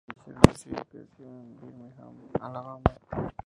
Fisher nació y creció en Birmingham, Alabama.